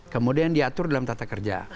kemudian diatur dalam tata kerja